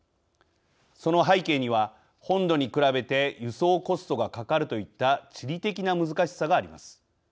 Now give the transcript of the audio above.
その背景には、本土に比べて輸送コストがかかるといった地理的な難しさがあります。